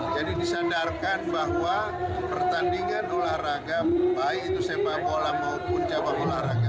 jadi disadarkan bahwa pertandingan olahraga baik itu sepak bola maupun cabang olahraga